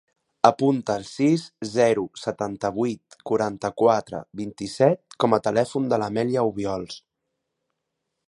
Apunta el sis, zero, setanta-vuit, quaranta-quatre, vint-i-set com a telèfon de l'Amèlia Obiols.